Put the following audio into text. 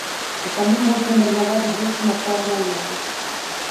А таму можна марнаваць грошы направа-налева.